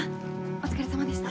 お疲れさまでした。